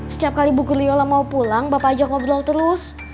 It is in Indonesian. setiap kali bu guliyola mau pulang bapak ajak ngobrol terus